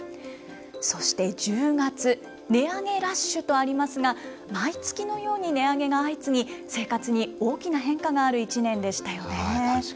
そして１０月、値上げラッシュとありますが、毎月のように値上げが相次ぎ、生活に大きな変化がある一年でしたよね。